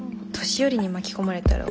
年寄りに巻き込まれたら終わり。